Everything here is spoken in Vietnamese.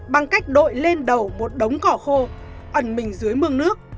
bằng cách đội lên đầu một đống cỏ khô ẩn mình dưới mương nước